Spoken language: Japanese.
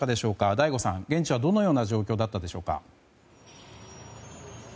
醍醐さん、現地はどのような状況だったでしょうか。